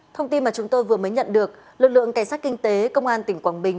thông tin mà chúng tôi vừa mới nhận được lực lượng cảnh sát kinh tế công an tỉnh quảng bình